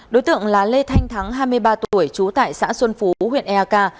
đối tượng là lê thanh thắng hai mươi ba tuổi trú tại xã xuân phú huyện ea ca